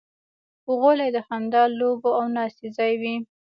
غلۍ د خندا، لوبو او ناستې ځای وي.